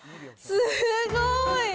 すごい。